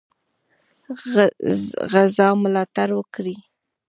غزا ملاتړ وکړي.